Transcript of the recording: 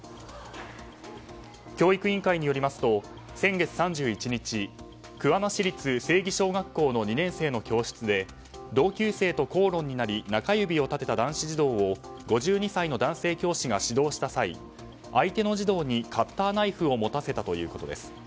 教育委員会によりますと先月３１日桑名市立精義小学校の２年生の教室で同級生と口論になり中指を立てた男子児童を５２歳の男性教師が指導した際相手の児童にカッターナイフを持たせたということです。